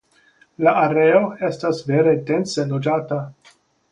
La areo estas vere dense loĝata.